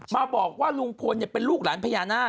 มาบอกว่าลุงปวดเนี่ยเป็นลูกหลานพยานาค